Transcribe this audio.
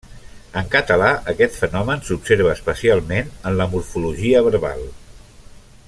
En català aquest fenomen s'observa especialment en la morfologia verbal.